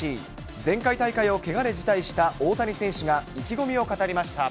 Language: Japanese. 前回大会をけがで辞退した大谷選手が意気込みを語りました。